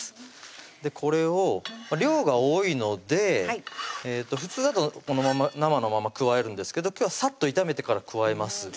これを量が多いので普通だと生のまま加えるんですけど今日はさっと炒めてから加えます